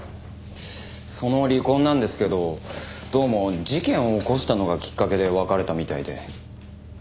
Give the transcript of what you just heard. その離婚なんですけどどうも事件を起こしたのがきっかけで別れたみたいで。